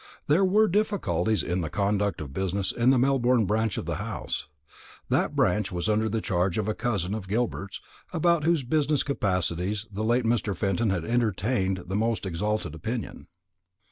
There were difficulties in the conduct of business in the Melbourne branch of the house, that branch which was under the charge of a cousin of Gilbert's, about whose business capacities the late Mr. Fenton had entertained the most exalted opinion.